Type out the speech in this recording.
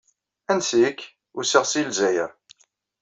Ansi-k? usiɣ seg Lezzayer.